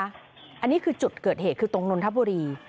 อันนี้คือจุดเกิดเหตุคือตรงนนทบุรี